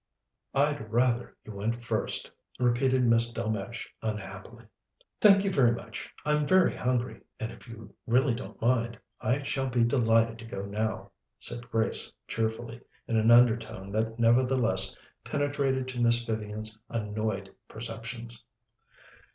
"I'd rather you went first," repeated Miss Delmege unhappily. "Thank you very much. I'm very hungry, and if you really don't mind, I shall be delighted to go now," said Grace cheerfully, in an undertone that nevertheless penetrated to Miss Vivian's annoyed perceptions.